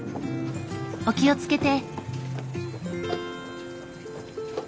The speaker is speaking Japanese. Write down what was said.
お気をつけて！